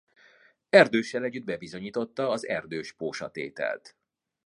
Erdőssel együtt bebizonyította az Erdős–Pósa-tételt.